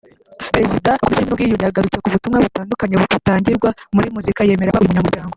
Perezida wa Komisiyo y’ubumwe n’Ubwiyunge yagarutse ku butumwa butandukanye butangirwa muri muzika yemera kuba uyu munyamuryango